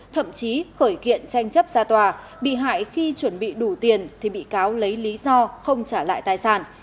thậm chí khởi kiện tranh chấp ra tòa bị hại khi chuẩn bị đủ tiền thì bị cáo lấy lý do không trả lại tài sản